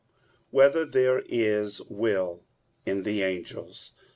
1] Whether There Is Will in the Angels?